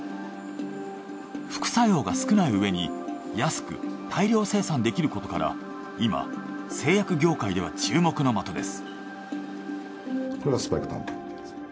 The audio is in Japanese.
副作用が少ないうえに安く大量生産できることから今製薬業界では注目の的です。